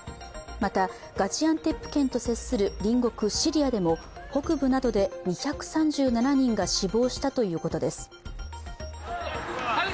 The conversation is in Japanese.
また、ガジアンテップ県と接する隣国シリアでも北部などで２３７人が死亡したということです。